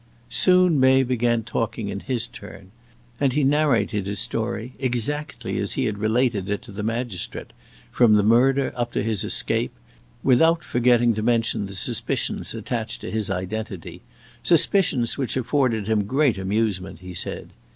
Soon May began talking in his turn; and he narrated his story exactly as he had related it to the magistrate, from the murder up to his escape, without forgetting to mention the suspicions attached to his identity suspicions which afforded him great amusement, he said.